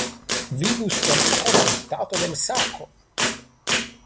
Vivu stomako laŭ stato de l' sako.